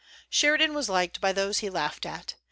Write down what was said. Sheridan was liked by those he laughed at.